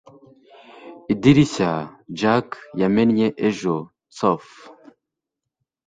Idirishya Jack yamennye ejo xtofu